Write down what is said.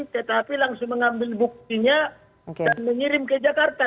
tetapi langsung mengambil buktinya dan mengirim ke jakarta